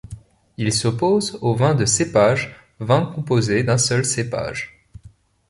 Il s'oppose au vin de cépage, vin composé d'un seul cépage.